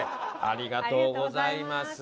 ありがとうございます。